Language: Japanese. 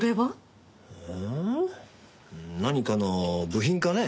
何かの部品かね？